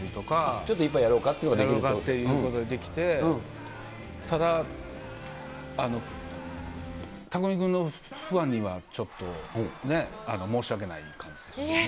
ちょっと一杯やろうかっていうのができると。っていうことができて、ただ匠海君のファンにはちょっとね、申し訳ない感じですね。